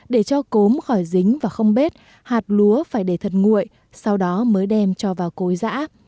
để cho cốm khỏi dính và không bế hạt lúa phải để thật nguội sau đó mới đem cho vào cối giã